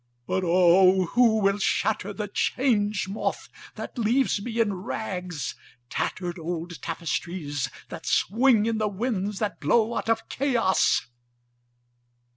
(But O who will shatter the Change Moth that leaves me in rags—tattered old tapestries that swing in the winds that blow out of Chaos!)